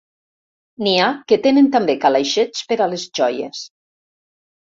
N'hi ha que tenen també calaixets per a les joies.